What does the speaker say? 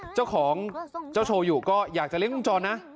เจ้าของเจ้าโชยูก็อยากจะเล่นลุงจรนะ